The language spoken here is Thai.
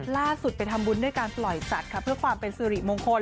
ล่าสุดไปทำบุญด้วยการปล่อยสัตว์ค่ะเพื่อความเป็นสิริมงคล